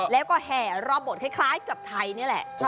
แล้วก็แห่รอบบทคล้ายกับไทยนี่แหละ